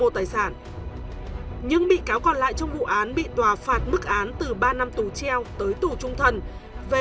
ô tài sản nhưng bị cáo còn lại trong vụ án bị tòa phạt mức án từ ba năm tù treo tới tù trung thần về